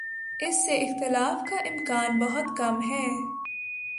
اس سے اختلاف کا امکان بہت کم ہے۔